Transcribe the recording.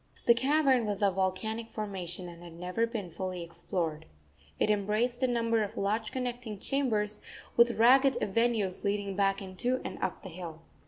The cavern was of volcanic formation and had never been fully explored. It embraced a number of large connecting chambers, with ragged avenues leading back into and up the hill.